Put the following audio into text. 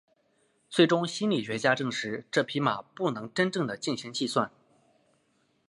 最终心理学家证实这匹马不能真正地进行计算。